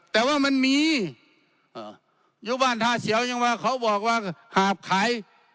แต่ว่ามันมีอยู่บ้านท่าเสียวยังว่าเขาบอกว่าหาบขาย